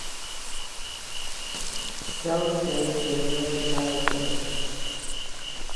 Patel is married to an American biochemist.